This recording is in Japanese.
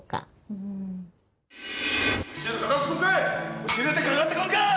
腰入れてかかってこんかい！